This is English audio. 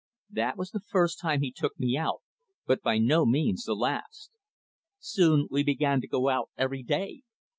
That was the first time he took me out, but by no means the last. Soon we began to go out every day.